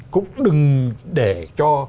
cũng đừng để cho